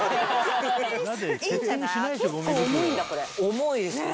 重いですね。